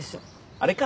あれか？